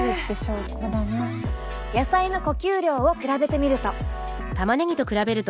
野菜の呼吸量を比べてみると。